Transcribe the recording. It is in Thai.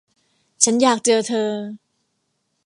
ฉันอยากเจอเธอ